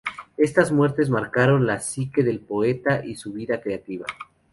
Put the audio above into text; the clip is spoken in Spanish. Estas muertes marcaron la psique del poeta y su vida creativa.